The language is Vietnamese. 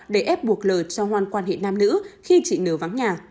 để ép buộc l cho hoan quan hệ nam nữ khi chị n vắng nhà